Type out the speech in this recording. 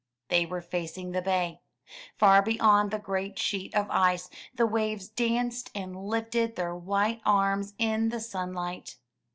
They were facing the bay. Far beyond the great sheet of ice, the waves danced and lifted their white arms in the sunlight.